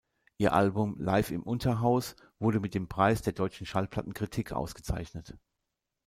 Ihr Album „Live im Unterhaus“ wurde mit dem Preis der deutschen Schallplattenkritik ausgezeichnet.